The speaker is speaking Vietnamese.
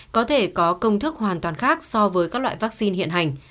có thể có công thức hoàn toàn khác so với các loại vaccine hiện hành